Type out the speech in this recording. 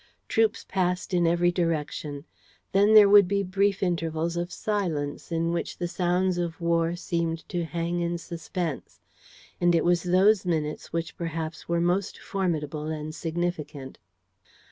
Troops passed in every direction. Then there would be brief intervals of silence, in which the sounds of war seemed to hang in suspense; and it was those minutes which perhaps were most formidable and significant.